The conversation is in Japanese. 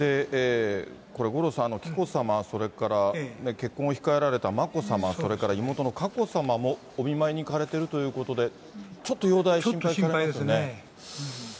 これ、五郎さん、紀子さま、それから結婚を控えられた眞子さま、それから妹の佳子さまもお見舞いに行かれてるということで、ちょちょっと心配ですね。